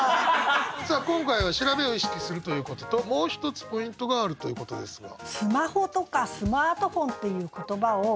さあ今回は調べを意識するということともう一つポイントがあるということですが。